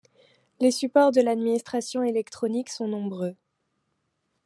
Les supports de l'administration électronique sont nombreux.